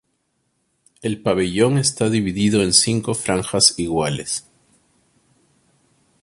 El pabellón está dividido en cinco franjas iguales.